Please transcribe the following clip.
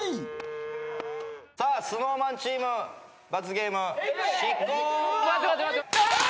さあＳｎｏｗＭａｎチーム罰ゲーム執行。